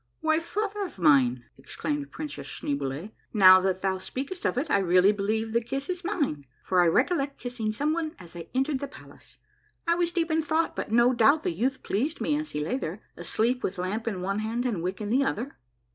" Why, father of mine," exclaimed Princess Schneeboule, " now that thou speakst of it, I really believe the kiss is mine, for I recollect kissing someone as I entered the palace, I was deep in thought, but no doubt the youth pleased me as he lay there, asleep with lamp in one hand and wick in the other."